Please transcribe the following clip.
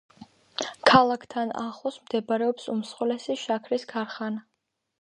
ქალაქთან ახლოს მდებარეობს უმსხვილესი შაქრის ქარხანა.